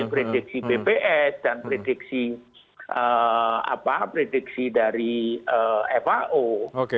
prediksi bps dan prediksi prediksi dari fao